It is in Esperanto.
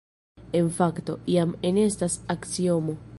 En fakto, jam enestas aksiomo.